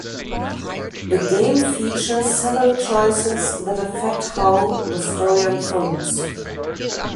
The game features several choices that affect how the story unfolds.